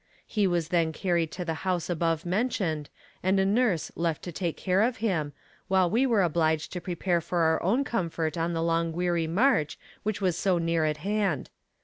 He was then carried to the house above mentioned and a nurse left to take care of him, while we were obliged to prepare for our own comfort on the long weary march which was so near at hand.